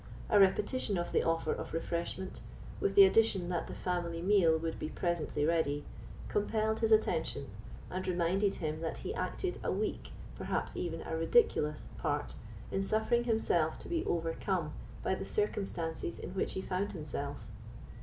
A repetition of the offer of refreshment, with the addition, that the family meal would be presently ready, compelled his attention, and reminded him that he acted a weak, perhaps even a ridiculous, part in suffering himself to be overcome by the circumstances in which he found himself.